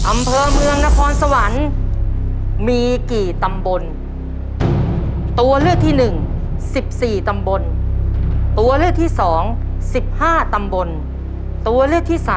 อำเภอเมืองนครสวรรค์มีกี่ตำบล